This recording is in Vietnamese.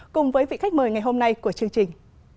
cùng với vị khách mời ngày hôm nay của chương trình